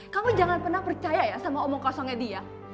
kamu jangan pernah percaya ya sama omong kosongnya dia